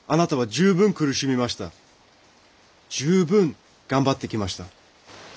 十分頑張ってきました。